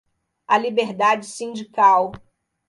a liberdade sindical